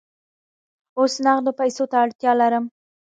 اوس نغدو پیسو ته اړتیا لرم.